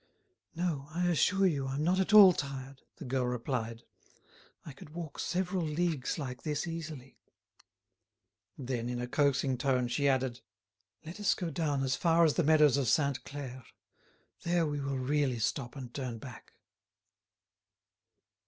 "No; I assure you I'm not at all tired," the girl replied. "I could walk several leagues like this easily." Then, in a coaxing tone, she added: "Let us go down as far as the meadows of Sainte Claire. There we will really stop and turn back."